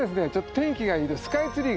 天気がいいとスカイツリーが。